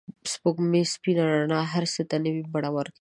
د سپوږمۍ سپین رڼا هر څه ته نوی بڼه ورکوي.